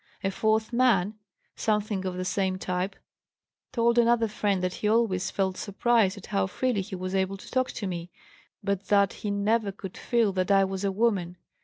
A fourth man, something of the same type, told another friend that he always felt surprised at how freely he was able to talk to me, but that he never could feel that I was a woman.